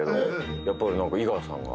やっぱり何か井川さんが。